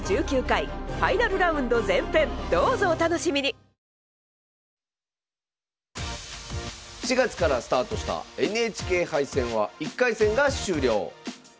すごいじゃない！４月からスタートしたＮＨＫ杯戦は１回戦が終了。